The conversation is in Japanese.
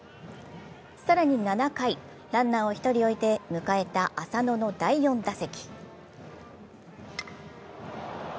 更に７回、ランナーを１人置いて迎えた浅野の第４打席。